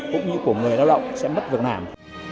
cũng như của người lao động sẽ mất vượt nàm